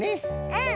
うん。